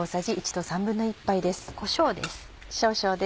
こしょうです。